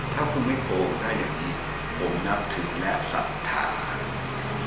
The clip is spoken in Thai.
ถ้าคุณไม่โกงได้อย่างนี้ผมถาบถือและสัตว์ทารณ์